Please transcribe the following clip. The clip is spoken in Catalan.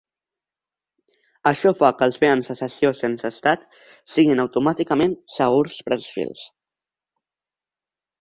Això fa que els beans de sessió sense estat siguin automàticament segurs per als fils.